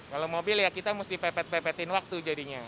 kalau mobil ya kita mesti pepet pepetin waktu jadinya